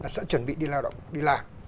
sẽ chuẩn bị đi lao động đi làm